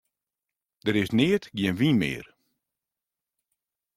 Der is neat gjin wyn mear.